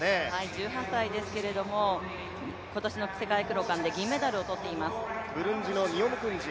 １８歳ですけど、今年の世界クロカンで金メダルを取っています。